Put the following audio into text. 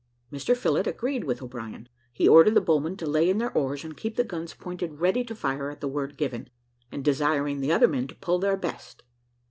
Mr Phillott agreed with O'Brien: he ordered the bowmen to lay in their oars and keep the guns pointed ready to fire at the word given, and desiring the other men to pull their best.